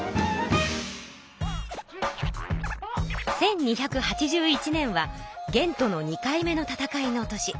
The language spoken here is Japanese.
１２８１年は元との２回目の戦いの年。